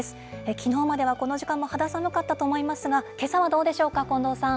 きのうまではこの時間も肌寒かったと思いますが、けさはどうでしょうか、近藤さん。